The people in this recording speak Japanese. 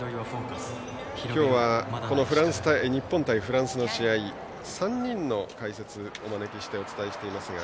今日は日本対フランスの試合３人の解説をお招きしてお伝えしていますが。